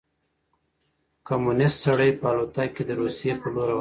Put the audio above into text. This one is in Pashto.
کمونیست سړی په الوتکه کې د روسيې په لور روان شو.